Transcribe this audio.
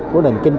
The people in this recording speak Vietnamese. của đồng kinh tế